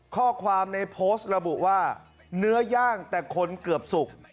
ข้อความในโพสต์ระบุว่าเนื้อย่างแต่คนเกือบสุก